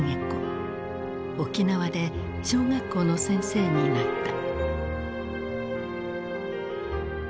沖縄で小学校の先生になった。